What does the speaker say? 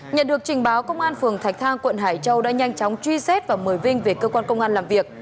nhận được trình báo công an phường thạch thang quận hải châu đã nhanh chóng truy xét và mời vinh về cơ quan công an làm việc